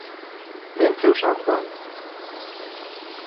Venceu San Juan.